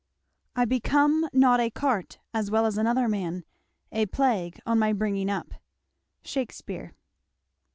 I become not a cart as well as another man, a plague on my bringing up. Shakspeare.